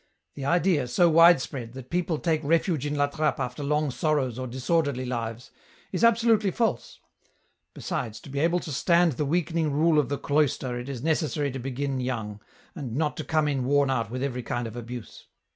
The idea, so widespread, that people take refuge in La Trappe after long sorrows or disorderly lives, is absolutely false ; besides to be able to stand the weakening EN ROUTE. 197 rule of the cloister it is necessary to begin young, and not to come in worn out with every kind of abuse.